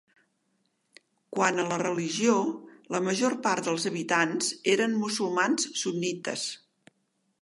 Quant a la religió, la major part dels habitants eren musulmans sunnites.